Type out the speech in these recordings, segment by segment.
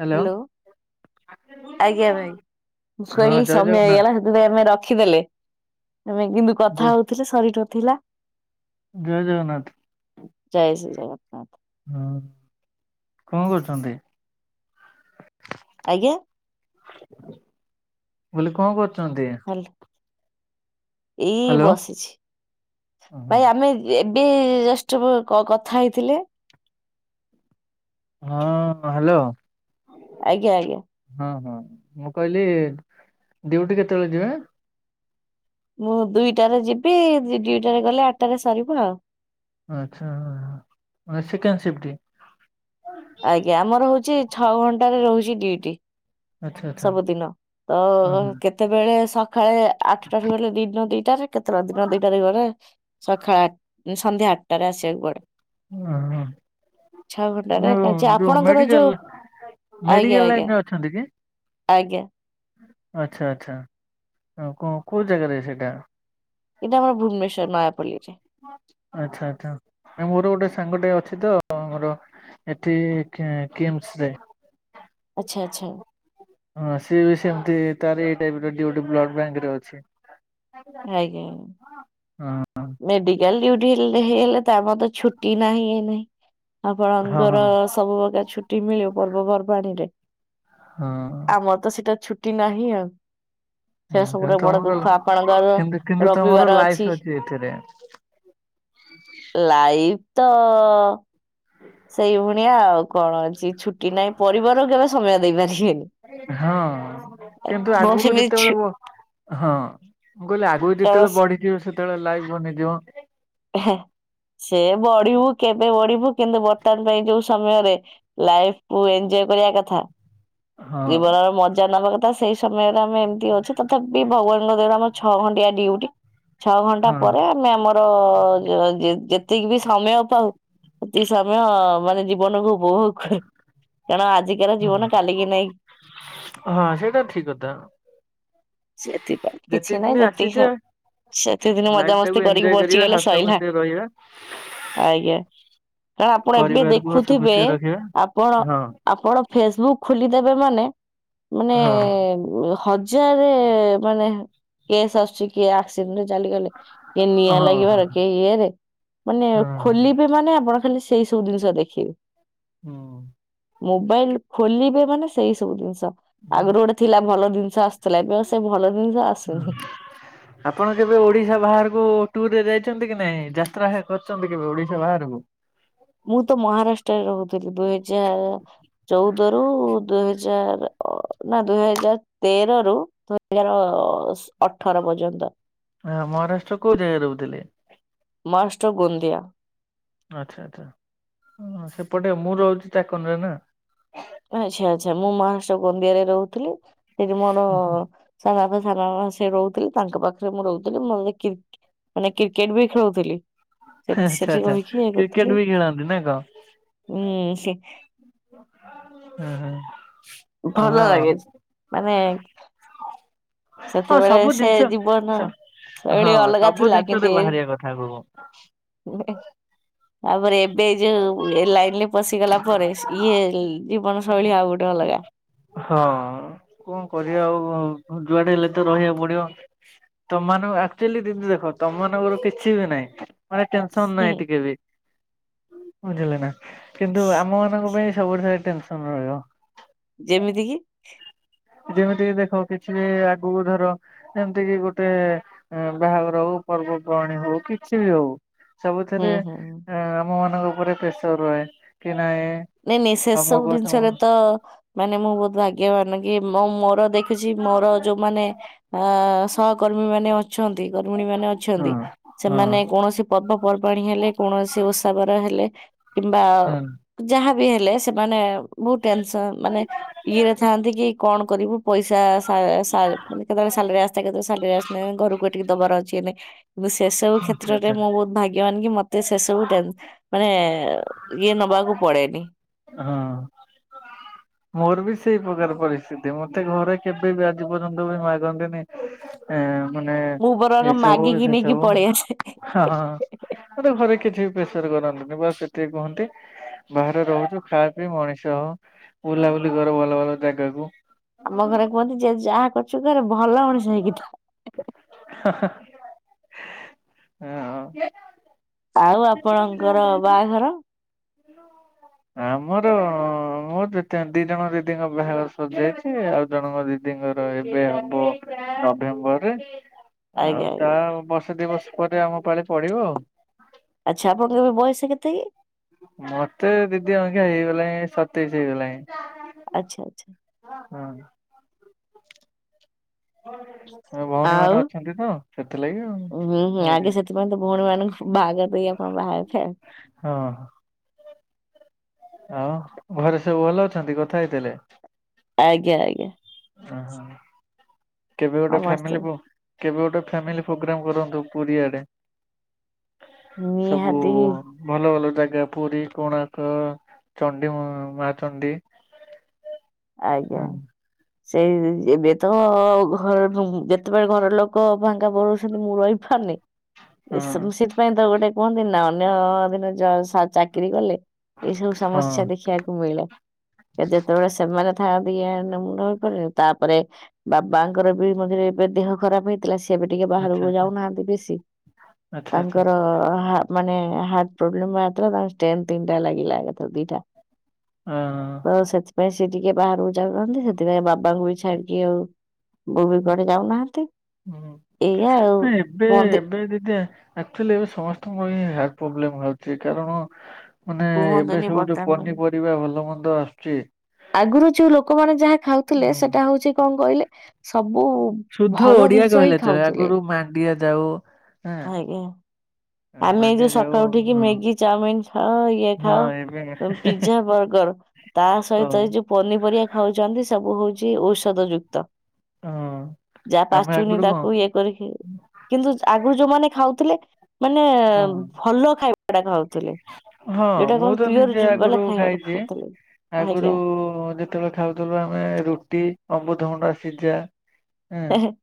Hello hello ଆଜ୍ଞା ଭାଇ ମୁଁ ହଁ କହିଲି ଜୟ ସମୟ ଜଗନ୍ନାଥ ହେଇଗଲା ତ ସେଥିପାଇଁ ଆମେ ରଖିଦେଲେ। ଆମେ କିନ୍ତୁ ଜୟ କଥା ହଉଥିଲେ ସରିନଥିଲା ଜୟଜଗନ୍ନାଥ। ଜୟ ଶ୍ରୀ ଜଗନ୍ନାଥ୍। ହଁ କଣ କରୁଚନ୍ତି? ଆଜ୍ଞା? ମୁଁ କଲ କଣ କରୁଚନ୍ତି? [unintelligible] ଏଇ ହ୍ୟାଲୋ ବସିଛି। ହଁ ଭାଇ ଆମେ ଏବେ ଜଷ୍ଟ କ-କଥା ହେଇଥିଲେ ହଁ ହାଲୋ ଆଜ୍ଞା ଆଜ୍ଞା। ହଁ ହଁ ମୁଁ କହିଲି ଡିଉଟି କେତେବେଳେ ଯିବେ? ମୁଁ ଦୁଇଟାରେ ଯିବି ଦିଇଟାରେ ଗଲେ ଆଠଟାରେ ସରିବ ଆଉ। ଆଚ୍ଛା ହଁ। ଆ ସେକେଣ୍ଡ ଶିପଟି। ଆଜ୍ଞା ଆମର ହଉଚି ଛଅ ଘଣ୍ଟାରେ ରହୁଚି ଡିଉଟି। ଆଚ୍ଛା ଆଚ୍ଛା ସବୁଦିନ। ତ ଓହୋ କେତେବେଳେ ସଖାଳେ ଆଠଟାରୁ ଗଲେ ଦିନ ଦିଟାରେ, କେତେଳେ ଦିନ ଦିଟାରେ ଗଲେ ସଖାଳ ଆଠ-ସନ୍ଧ୍ୟା ଆଠଟାରେ ଆସିଆକୁ ପଡେ। ଅଁ ହଁ। ଛଅ ଘଣ୍ଟାରେ ଯେ ଯୋ-ଯୋଉ ଆପଣଙ୍କର ମେଡିକାଲ୍ ଯୋଉ ଆଜ୍ଞା ମେଡିକାଲ୍ ଆଜ୍ଞା ଲାଇନରେ ଅଛନ୍ତି କି? ଆଜ୍ଞା। ଆଚ୍ଛା ଆଚ୍ଛା। ଅଁ କଁ କୋଉ ଜାଗାରେ ସେଟା? ଏଟା ଆମର ଭୁବନେଶ୍ୱର ନୟାପଲ୍ଲୀରେ। ଆଚ୍ଛା ଆଚ୍ଛା ନାଇଁ ମୋର ଗୋଟେ ସାଙ୍ଗଟେ ଅଛି ତ ଆମର ଏଠି କି-କିମ୍ସରେ। ଆଚ୍ଛା ଆଚ୍ଛା। ହଁ ସିଏ ବି ସେମିତି ତାର ଏଇ ଟାଇପ୍ ର ଡିୟୁଟି ବ୍ଲଡ ବ୍ୟାଙ୍କରେ ଅଛି। ଆଜ୍ଞା। ହଁ। ମେଡିକାଲ ଡଉଟି ହେଲେ ହେଇଗଲେ ତା ପରେ ତ ଛୁଟି ନାହିଁ ଇଏ ନାହିଁ। ହଁ ଆପଣଙ୍କର ହଁ ସବୁ ପ୍ରକାର ଛୁଟି ମିଳିବ ପର୍ବପର୍ବାଣିୀ ରେ ହଁ ଆମର ତ ସେଟା ଛୁଟି ନାହିଁ ଆଉ। ସେଟା ହୁଁ ସବୁଠୁ କିନ୍ତୁ ବଡ ତମର ଦୁଃଖ ଆପଣଙ୍କର କିନ୍ତୁ-କିନ୍ତୁ ତମର ଲାଇଫ ଅଛି ଏଥିରେ। ଲାଇଫ୍ ତ ସେଇ ଭଣିଆ ଆଉ କଣ ଅଛି ଛୁ କି ନାଇଁ ପରିବାର କେବେ ସମୟ ଦେଇପାରିବେନି। ହଁ। କିନ୍ତୁ ମୁଁ ଆଗୁକୁ ଯେତେବେଳେ ସେମିତି ବ ହଁ ମୁଁ କହିଲି ଆଗକୁ ଯେତେବେଳେ ବଢ଼ିଥିବ ସେ ସେତେଳେ ଲାଇଭ୍ ବନେଇଦିଉଁ। [unintelligible] ସେ ବଢ଼ି ବୁ କେବେ ବଢ଼ିବୁ କିନ୍ତୁ ବର୍ତ୍ତମାନ ପାଇଁ ଯୋଉ ସମୟରେ ଲାଇଫ୍ କୁୁ ଏଞ୍ଜୟ କରିବା କଥା। ହଁ। ଜୀବନର ମଜା ନବା କଥା ସେଇ ସମୟରେ ଆମେ ଏମତି ଅଛୁ ତଥାପି ଭଗବାନଙ୍କ ଦୟାରେ ଆମ ଛଅ ଘଣ୍ଟିଆ ଡିଉଟି ଛଅ ଘଣ୍ଟା ହଁ ପରେ ଆମେ ଆମର ଯ ଯ ଜେଦ୍ ଯେତିକି ବି ସମୟ ପାଉ ଏତିକି ସମୟ ମାନେ ଜୀବନକୁ ବହୁତ କାରଣ ଆଜି ମାନେ ହଁ ଜୀବନ କାଲିକି ନାହିଁ। ହଁ ସେଇଟା ଠିକ୍ କଥା ସେଥିପାଇଁ ଯେତେ କିଛି ନାହିଁ ଦିନି ଯେତିକି ସ ଆସିଛେ ସେତିକିଦିନ ମଜାାମସ୍ତି କରିକି ବଞ୍ଚିଗଲେ ସ ସବୁ ସିଏ ରହିବା। ଆଜ୍ଞା କାରଣ ଆପଣ ଏବେ ପରିବାରକୁ ହସ ଦେଖୁଥିବେ ଖୁସିରେ ରଖିବା ଆପଣ ହଁ ଆପଣ ଫେସବୁକ୍ ଖୋଲିଦବ ମାନେ ମାନେ ହଁ ହଜା ଜାରେ ମାନେ କେସ୍ ଆସୁଛି। କିଏ ଆକ୍ସିଡେଣ୍ଟରେ ଚାଲିଗଲେ କିଏ ନିଆଁ ହଁ ହଁ ଲାଗିବାର। କେ ଇଏରେ ମାନେ ହଁ ଖୋଲିବେ ମାନେ ଆପଣ ଖାଲି ସେଇ ସବୁ ଜିନିଷ ଦେଖିବେ। ହୁଁ। ମୋବାଇଲ୍ ଖୋଲିବେ ମାନେ ସେଇ ସବୁ ଜିନିଷ ଆଗରୁ ଗୋଟେ ଥିଲା ଭଲ ଜିନିଷ ଆସୁ ଥିଲା ଏବେ ଆଉ ସେ ଭଲ ଜିନିଷ ହଁ। ଆସୁନି। ଆପଣ କେବେ ଓଡ଼ିଶା ବାହାରକୁ ଟୁୁର୍ ରେ ଯାଇଛନ୍ତି କି ନାଇଁ ଯାତ୍ରା କରିଛନ୍ତି କେବେ ଓଡ଼ିଶା ବାହାରକୁ? ମୁଁ ତ ମହାରାଷ୍ଟ୍ରରେ ରହୁଥିଲି ଦୁଇ ହଜାର ଚଉଦ ରୁ ଦୁଇ ହଜାର ଅ ନାଁ ଦୁଇ ହଜାର ତେର ରୁ [unintelligible] ଅଠର ପର୍ଯ୍ୟନ୍ତ। ହଁ ମହାରାଷ୍ଟ୍ର କୋଉ ଜାଗାରେ ରହୁଥିଲେ। [unintelligible] ଆଚ୍ଛା ଆଚ୍ଛା ହୁଁ ସେପଟେ ମୁଁ ରହୁଛି ଚାକନରେ ନା। ଓ ଆଚ୍ଛା ଆଚ୍ଛା ମୁଁ ମହାରାଷ୍ଟ୍ର ଗୋନ୍ଦିଆ ରେ ରହୁଥିଲି ସେଠି ମୋର ସାନ ବାପା ସାନ ଦାଦା ସେ ରହୁଥିଲେ ତାଙ୍କ ପାଖରେ ମୁଁ ରହୁଥିଲି [unintelligible] ମାନେ କ୍ରିକେଟ୍ ବି ଖେଳୁ ଥିଲି ସେ ଆଚ୍ଛା ସେଠି ଆଚ୍ଛା। ରହିକି ଖେଳ କ୍ରିକେଟ କରୁଥିଲି। ବି ଖେଳନ୍ତି ନା କଣ ହୁଁ ସେ ହଁ ହଁ। ଭଲ ଲାଗେଛି ମାନେ ତ ସେତେବେଳେ ସବୁ ସେ ଜିନିଷ ଜୀବନ ସ ଶୈଳୀ ହଁ ଅଲଗା ସବୁ ଜିନିଷରେ ବାହାରିିବା କଥା କୁହ। [unintelligible] ଆପରେ ଏବେ ଏଇ ଜଉ ଏ ଲାଇନ୍ ରେ ବସିଗଲା ପରେ ସ ଇଏ ଜିବନ ଶୈଳୀ ଆଉ ଗୋଟେ ଅଲଗା। ହଁ କଣ କରିବା ଆଉ ଯୁଆଡ଼େ ହେଲେ ତ ରହିବାକୁ ପଡ଼ିବ। ତମମାନଙ୍କ ଆକ୍ଚୂଆଲି ଦିଦି ଦେଖ ତମମାନଙ୍କର କିଛି ବି ନାଇଁ ମାନେ ଟେନସନ୍ ନାହିଁ ହୁଁ ଟିକେ ବି। ବୁଝିଲେ ନା କିନ୍ତୁ ଆମ ମାନଙ୍କ ପାଇଁ ସବୁଥିରେ ଟେନସନ୍ ରହିବ। ଯେମିତି କି? ଯେମିତି କି ଦେଖ କିଛି ଆଗକୁ ଧର ଏମିତି କିି ଗୋଟେ ବାହାଘର ହଉ ପର୍ବପର୍ବାଣି ହଉ କିଛି ବି ହଉ। ହୁଁ ସବୁଥିରେ ହୁଁ। ହୁଁ। ଆମ ମାନଙ୍କ ଉପରେ ପ୍ରେସର ରହେ କି ନାହିଁ। ନାଇଁ ମେସେ ସେ ସବୁ ଜିନିଷରେ ତ ମାନେ ମୁଁ ବହୁତ ଭାଗ୍ୟବାନ କି ମୋ ମୋର ଦେଖ ଦେଖିଛି ମୋର ଯୋଉମାନେ ଅ ସହକର୍ମୀ ମାନେ ଅଛନ୍ତି ଗର୍ମଣୀ ମାନେ ଅଛନ୍ତି। ହଁ ସେମାନେ କୌଣସି ପର୍ବପର୍ବାଣୀ ହେଲେ କୌଣସି ଓଷାବାର ହେଲେ କିମ୍ବା ହଁ ଯାହାବି ହେଲେ ସେମାନେ ବହୁତ ଟେନସନ ମାନେ ଇଏ ଥାନ୍ତି କି କଣ କରିବୁ ପଇସା ସା ସା ମାନେ କେତେ ବେଳେ ସାଲାରୀ ଆସେ କେତେ ସାଲାରୀ ଆସିଲାଣି ଘରକୁ ଏଠିକି ଦବାର ଅଛି ଏବେ। ମୁ ସେ ସବୁ ଆଚ୍ଛା କ୍ଷେତ୍ରରେ ଆଚ୍ଛା ମୁ ବହୁତ ଭାଗ୍ୟବାନ କି ମତ ତେ ସେ ସେସବୁ ଟେନ ମାନେ ଇଏ ନବାକୁ ପଡେନି। ହଁ। ମୋର ବି ସେଇ ପ୍ରକାର ପରିସ୍ଥିତି ମତେ ଘରେ କେବେ ବି ଆଜି ପର୍ଯ୍ୟନ୍ତ ବି ମାଗନ୍ତିନି। ଏ ମାନେ ମୁଁ ବରଂ ଏସବୁ ମାଗିକି ସେ ନେଇକି ସବୁ। ପଳେଇ ଆସେ। ହଁ ମତେ ଘରେ କିଛି ବି ପ୍ରେସର କରନ୍ତିନି ବା ସେତିିକି କୁହନ୍ତି। ବାହାରେ ରହୁଛୁ ଖାଇବା ପିଇ ମଣିଷ ହୋ ବୁଲାବୁଲି କର ଭଲ ଭଲ ଜାଗାକୁ। ଆମ ଘରେ କୁହନ୍ତି ଯେ ଯାହା କରୁଛୁ କର ଭଲ ମଣିଷ ହେଇକି ଥାଆ। ହା ହା। ହଁ। ଆଉ ଆପଣଙ୍କର ବାହାଘର। ଇଲ ବୋଉ ଗଲାଣି। ଆମର ମୋର ସେକେଣ୍ଡ ଦି ଜଣ ଦିଦିଙ୍କ ବାହାଘର ସରିଯାଇଛି ଆଉ ଜଣଙ୍କ ଦିଦିଙ୍କର ଏବେ ହବ। ନଭେମ୍ବରରେ ଆଜ୍ଞା ଆଉ ତା ଆଜ୍ଞା ବର୍ଷେ ଦି ବର୍ଷ ପରେ ଆମ ପାଳି ପଡିବ ଆଉ। ଆଚ୍ଛା ଆପଣଙ୍କ ର ବୟସ କେତେ କି। ମତେ ଦିଦି ଅବିକା ହେଇଗଲାଣି ସତେଇଶ ହେଇଗଲାଣି। ଆଚ୍ଛା ଆଚ୍ଛା। ହଁ। ହଁ। ଭଉଣୀ ଆଉ ମାନେ ଅଛନ୍ତି ତ ସେଥିଲାଗି ଆଉ ହୁଁ ହୁଁ ଆଗେ ହଉ ସେଥିପାଇଁ ତ ଭଉଣୀ ମାନଙ୍କୁ ବାହା କରିଦେଇକି ଆପ୍ ମୋ ବାହାରେ ଥାଏ। ହଁ। ଆଉ ଘରେ ସବୁ ଭଲ ଅଛନ୍ତି କଥା ହେଇଥିଲେ। ଆଜ୍ଞା ଆଜ୍ଞା। ଓହୋ କେବେ ଗୋଟେ ସମସ୍ତେ ଫାମିଲ ପୋ କେବେ ଗୋଟେ ଫାମିଲ ପ୍ରୋଗ୍ରାମ କରନ୍ତୁ ପୁରୀଆଡେ। ସବୁ ନିହାତି ଭଲ ଭଲ ଜାଗା ପୁରୀ କୋଣାର୍କ ଚଣ୍ଡୀ ମା ଚଣ୍ଡୀ। ହ। [unintelligible] ଆଜ୍ଞା। ସେଇ ଏବେ ତ ଘର ଯେତେବେଳେ ଘର ଲୋକ ଫାଙ୍କା ପଳୋଉଛନ୍ତି ମୁଁ ରହିପାରୁନି। ଏସବୁ ହଁ ସେଥିପାଇଁ ତ ଗୋଟେ କୁହନ୍ତିନି ନା ଅନ୍ୟ ଦିନେ ଚାକିରି କଲେ। ଏଇ ସବୁ ହଁ ସମସ୍ୟା ଦେଖିବାକୁ ମିଳିଲା ଯେତେବେଳେ ସେମାନେ ଥାନ୍ତି କିଆ ମୁଣ୍ଡପରେ ତାପରେ ବାବାଙ୍କର ବି ମଝିରେ ଏବେ ଦେହ ଖରାପ ହେଇ ଥିଲା ସିଏ ଏବେ ଟିକେ ଆଚ୍ଛା ବାହାରକୁ ଯାଉନାହାନ୍ତି ଯେ ବେଶୀ ଆଚ୍ଛା ଆଚ୍ଛା ଆଚ୍ଛା ତାଙ୍କର ହା ମାନେ ହାର୍ଟ ପ୍ରୋବ୍ଲେମ ବାହାରିଥିଲା ତାଙ୍କର ଷ୍ଟେନ ତିନିଟା ଲାଗିଲା ଏକାଥରେ ଦିଟା। ହଁ। ତ ସେଥିପାଇଁ ସେ ଟିକେ ବାହାରକୁ ଯାଉନାହାନ୍ତି ସେଥିପାଇଁ ବାବାଙ୍କୁ ବି ଛାଡିକି ଆଉ ଵବୁ କୁଆଡେ଼ ଯାଉନାହାନ୍ତି ଏଇଆ ଆଉ କୁହନ୍ତୀ [unintelligible] ଅକ୍ଚୁଲି ଏବେ ସମସ୍ତଙ୍କର ହିଁ ଏହା ପ୍ରୋବ୍ଲେମ୍ ହଉଛି କାରଣ ମାନେ ଏବେ କୁହନ୍ତୁନି ସବୁ ଯୋଉ ବର୍ତ୍ତମାନ ପନିପରିବା ଭଲ ମନ୍ଦ ଆସୁଛି। ଆଗୁରୁ ଯୋଉ ଲୋକମାନେେ ଯାହା ଖାଉଥିଲେ ହଁ ସେଟା ହଉଛି କଣ କହିଲେ ସବୁ ସୁଦ୍ଧ ଭଲ ଓଡ଼ିଆ ଜିନିଷ ହିଁ କହିଲେ ଚଳେ ଖାଉଥିଲେ। ଆଗରୁ ମାଣ୍ଡିଆ ଯାଉ ହଁ ଆଜ୍ଞା ଆମେ ଏଇ ମାଣ୍ଡିଆ ଯୋଉ ଯାଉ ସକାଳୁ ଉଠିକି ହଁ ମ୍ୟାଗି ଚାଉମିିନ୍ ଖାଅ ଇଏ ହଁ ଖାଅ ଏବେ ସବୁ ପିଜ୍ଜା ବର୍ଗର ତା ଓ ସହିତ ଏଇ ଯୋଉ ପନିପରିବା ଖାଉଛନ୍ତି ସବୁ ହଉଛି ଔଷଧ ଯୁକ୍ତ। ହଁ ଯାହା ଆମେ ପାଚୁନି ଆଗରୁ କଣ ତାକୁ ଇଏ କରିକି କିନ୍ତୁ ଜ ଆ ଗରୁ ଯୋଉମାନେ ଖାଉଥିଲେ ମାନେ ହଁ ଭଲ ଖାଇବା ଟା ଖାଉଥିଲେ। ହଁ ଯୋଉଟା ମୁଁ କଣ ତ ନିଜେ ପିଓର ବାଲା ଆଗରୁ ଖାଇବା ଟା ଖାଇଛି ଖାଉଥିଲେ। ଆଜ୍ଞା ଆଗରୁ ଯେ ଯେତେବେ ଖାଉଥିଲୁ ଆମେ ରୁଟି ଅମବୁତଭୁଣ୍ଡା ସିଝା। ହଁ [unintelligible]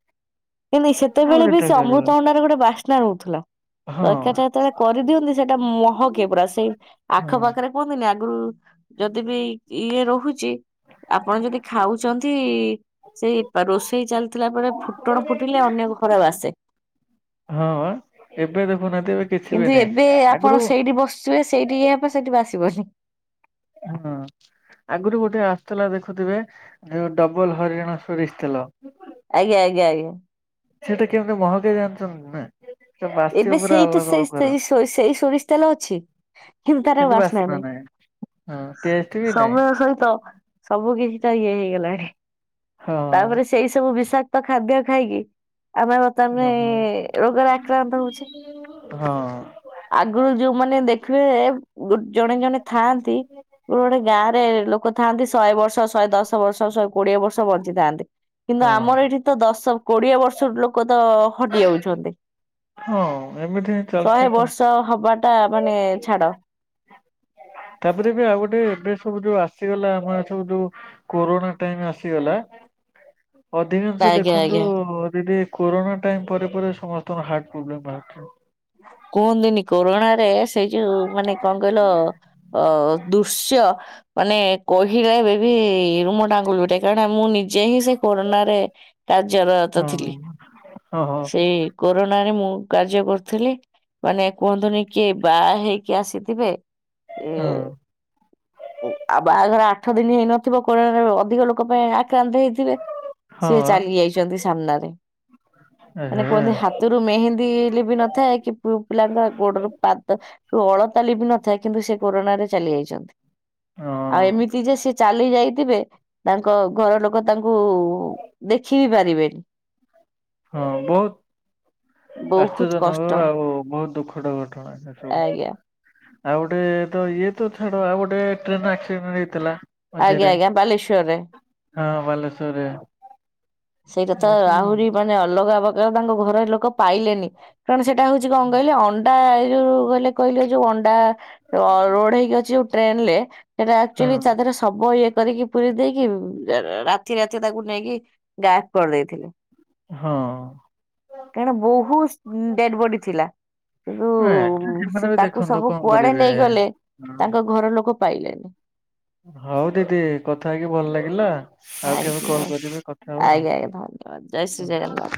ଏ ନାଇଁ ଆମେ ସେତେବେଳେ ବି ଯେତେବେଳେ ସେ ଖାଉଥିଲୁ ଅମୃତ ଭଣ୍ଡାର ଗୋଟେ ବାସ୍ନା ରହୁଥିଲା। ହଁ [unintelligible] କରିଦିଅନ୍ତି ସେଇଟା ମହକେ ପୁରା ସେଇ ହଁ ଆଖପାଖରେ କୁହନ୍ତିନି ଆଗୁରୁ ଯଦି ବି ଇଏ ରହୁଛି ଆପଣ ଯଦି ଖାଉଛନ୍ତି ସେଇ ରୋଷେଇ ଚାଲି ଥିଲା ପରେ ଫୁଟଣ ଫୁଟିଲେ ଅନ୍ୟ ଘରେ ବାସେ। ହଁ ଆଁ? କିନ୍ତୁ ଏବେ ଆଗରୁ ଆପଣ ସେଇଠି ବଶୁଥିବେ ସେଇଠି ଇଏ ହବ ସେଇଠି ବାସିବନି। ହଁ। ଆଗରୁ ଗୋଟେ ଆଶୁଥିଲା ଦେଖୁଥିବେ ଯୋଉ ଡବଲ ହରିଣ ସୋରିଷ ତେଲ? ଆଜ୍ଞା ଆଜ୍ଞା ଆଞ ସେଇଟା କେମିତି ମହାକେଇ ଜାଣିଛନ୍ତି ନା? ସେ ବାସିବ ଏବେ ପୁରା ସେଇ ତ ଅଲଗା ସେଇ ପ୍ରକାର ସେଇ ସୋରି ସେଇ ସୋରିଷ ତେଲ ଅଛି। କିନ୍ତୁ ତାର ଆଉ ବାସ୍ନା ହଁ ନାହିଁ ଟେଷ୍ଟ ବି ନାହିଁ ସମୟ ସହିତ ସବୁ କିଛି ଟା ଇଏ ହେଇଗଲାଣି। ହଁ ତାପରେ ସେଇ ସବୁ ବିଷାକ୍ତ ଖାଦ୍ୟ ଖାଇକି ଆମର ତମେ ଓହୋ ରୋଗରେ ଆକ୍ରାନ୍ତ ହଉଛି। ହଁ। ଆଗରୁ ଯୋଉମାନେ ଦେଖିବେ ଜଣେ ଜଣେ ଥାଆନ୍ତି। ଯୋଉ ଗୋଟେ ଗାଁ ରେ ଲୋକ ଥାଆନ୍ତି ଶହେ ବର୍ଷ ଶହେ ଦଶ ବର୍ଷ ଶହେ କୋଡ଼ିଏ ବ ର୍ଷ ବଞ୍ଚିଥାନ୍ତି କିନ୍ତୁ ଆମର ହଁ ଏଇଠି ତ ଦଶ କୋଡ଼ିଏ ବର୍ଷରୁ ଲୋକ ତ [unintelligible] ଯାଉଛନ୍ତି ହଁ ଏମିତି ହିଁ ଶହେ ଚାଲିଛି କଣ ବର୍ଷ ହବା ଟା ମାନେ ଛାଡ଼। ତାପରେ ବି ଆଉ ଗୋଟେ ଏବେ ସବୁ ଯୋଉ ଆସିଗଲା ହଁ ସବୁ ଯୋଉ କୋରୋଣା ଟାଇମ୍ ଆସିଗଲା ଅଧିକାଂଶ ଆଜ୍ଞା ଦେଖନ୍ତୁ ଆଜ୍ଞା। ଦିଦି କୋରୋଣା ଟାଇମ୍ ପରେ ପରେ ସମସ୍ତଙ୍କ ହାର୍ଟ ପ୍ରୋବ୍ଲେମ୍ ବାହାରୁଛି। କୁହନ୍ତିନି କୋରୋଣାରେ ସେଇ ଯୋଉ ମାନେ କଣ କହିଲ? ଅ ଦୃଶ୍ୟ ମାନେ କହିଲେ ଏବେ ବି ରୁମ ଟାଙ୍ଗୁରି ଉଠେ କାରଣା ମୁଁ ନିଜେ ହିଁ ସେ କରୋନାରେ କାର୍ଯ୍ୟରତ ହଁ ଥିଲି ହଁ ସେ କୋରୋନା ରେ ମୁଁ କାର୍ଯ୍ୟ କର ଥିଲି ମାନେ କୁହନ୍ତୁନି କିଏ ବାହା ହେଇକି ଆସିଥିବେ ଏ ହଁ ଉ ଆ ବାହାଘର ଆଠ ଦିନି ହେଇନଥିବ କୋରୋନାରେ ଅଧିକ ଲୋକ ପାଇଁ ଆକ୍ରାନ୍ତ ହେଇଥିବେ। ହଁ ସିଏ ଚାଲି ଯାଇଛନ୍ତି ସାମ୍ନାରେ ମାନେ ହଁ କୁହନ୍ତି ଏ ହାତ ରୁ ମେହେନ୍ଦୀ ଲିଭି ନଥାଏ କି ପିଲାଙ୍କ ଗୋଡରୁ ପାଦ ଅଳତା ଲିଭି ନଥାଏ କିନ୍ତୁ ସେ କୋରନା ରେ ଚାଲି ଯାଇଛନ୍ତି। ହଁ। ଆଉ ଏମିତି ଯେ ସେଚାଲି ଯାଇଥିବେ ତାଙ୍କ ଘର ଲୋକ ତାଙ୍କୁ ଦେଖିବି ପାରିବେନି। ହଁ ବହୁତ ଆଶ୍ଚଯ୍ୟ ବହୁତ କଷ୍ଟ ଜନକ ଆଉ ବହୁତ୍ ଦୁଃଖଦ ଘଟଣା ଏ ସବୁ। ଆଜ୍ଞା ଆଉ ଗୋଟେ ତ ଇଏ ତ ଛାଡ ଆଉ ଗୋଟେ ଟ୍ରେନ ଆକ୍ସିଡେଣ୍ଟ ହେଇଥିଲା। ଆଜ୍ଞା ମଝିରେ ଆଜ୍ଞା ବାଲେଶ୍ଵରରେ। ହଁ ବାଲେଶ୍ଵରରେ। ସେଇଟା ତ ଏସବୁ ଆହୁରି ମାନେ ଅଲଗା ପ୍ରକାର ତାଙ୍କ ଘର ଲୋକ ପାଇଲେନି କାରଣ ସେ ଏଟା ହଉଛି କଣ କହିଲେ ଅଣ୍ଡା ଏଇ ଯୋଉ କହିଲେ କହିଲେ ଯୋଉ ଅଣ୍ଡା ଲୋଡ ହେଇକି ଅଛି ଯୋଉ ଟ୍ରେନେରେ ସେଟା ହଁ ଆକ୍ଚୁଲି ତାତିରେ ସବୁ ଇଏ କରିକି ପୁରେଇ ଦେଇକି ରାତି ରାତି ତାକୁ ନେଇକି ଗ୍ୟାପ କରିଦେଇଥିବ। ହଁ। କାରଣ ବହୁତୁ ଡେଡ୍‌ ବଡି ଥିଲା। କିନ୍ତୁ ଆକ୍ଚୁଆଲି ସେମାନେ ସେ ବି ତାକୁ ଦେଖନ୍ତୁ ସବୁ କଣ କୁଆଡେ କରିବେ। ନେଇଗଲେ ହଁ ତାଙ୍କ ଘର ଲୋକ ପାଇଲେନି। ହଉ ଦିଦି କଥା ହେଇକି ଭଲ ଲାଗିଲା। ଆଉ ଥ୍ୟାଙ୍କ କେବେ ୟୁ କଲ ଭାଇ କରିବେ କଥା ହବା ଆଜ୍ଞା ଆଜ୍ଞା ଧନ୍ୟବାଦ ଜୟ ଶ୍ରୀ ଆଉ। ଜଗନ୍ନାଥ।